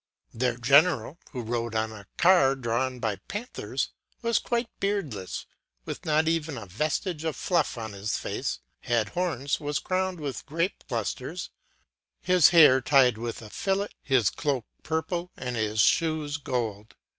2Their general, who rode on a car drawn by panthers, was quite beardless, with not even a vestige of fluff on his face, had horns, was crowned with grape clusters, his hair tied with a fillet, his cloak purple, and his shoes of gold.